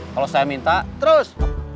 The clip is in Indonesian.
kalau saya minta terus